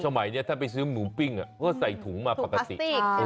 ช่วงใหม่เนี่ยถ้าไปซื้อหมูปิ้งอ่ะก็ใส่ถุงมาประกาศติก